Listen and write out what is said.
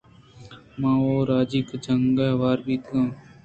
من وَ راجی جنگ ءَ ھوار بیتگ ات آں